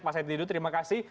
pak said didu terima kasih